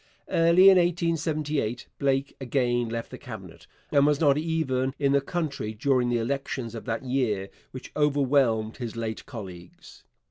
Early in 1878 Blake again left the Cabinet, and he was not even in the country during the elections of that year which overwhelmed his late colleagues.